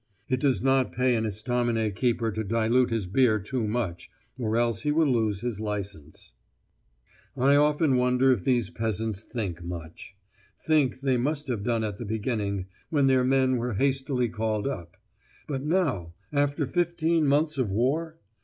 It does not pay an estaminet keeper to dilute his beer too much, or else he will lose his licence. I often wonder if these peasants think much. Think they must have done at the beginning, when their men were hastily called up. But now, after fifteen months of war?